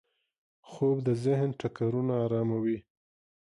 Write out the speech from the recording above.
خوب د ذهن ټکرونه اراموي